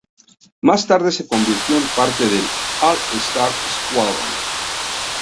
Más tarde se convirtió en parte del All-Star Squadron.